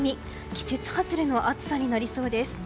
季節外れの暑さになりそうです。